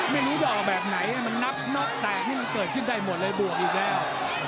ไม่รู้จะออกแบบไหนมันนับน็อกแตกนี่มันเกิดขึ้นได้หมดเลยบวกอีกแล้ว